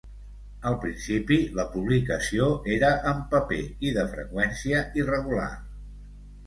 Al principi, la publicació era en paper i de freqüència irregular.